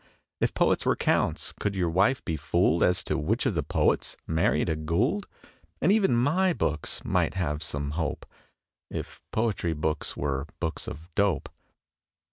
If poets were counts, could your wife be fooled As to which of the poets married a Gould? And even my books might have some hope If poetry books were books of dope.